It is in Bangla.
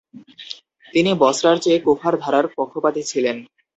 তিনি বসরার চেয়ে কুফার ধারার পক্ষপাতী ছিলেন।